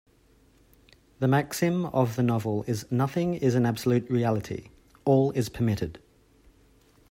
The maxim of the novel is "Nothing is an absolute reality; all is permitted".